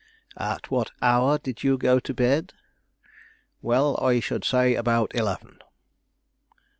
"At what hour did you go to bed?" "Well, I should say about eleven."